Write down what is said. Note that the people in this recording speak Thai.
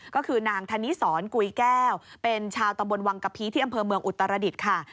ก็คือนางธนิสรกุยแก้วเป็นชาวตำบลวังกะพีที่อำเภอเมืองอุตรดิษฐ์ค่ะ